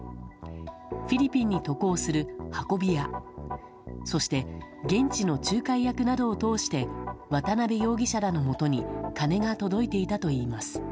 フィリピンに渡航する運び屋そして、現地の仲介役などを通して渡辺容疑者らのもとに金が届いていたといいます。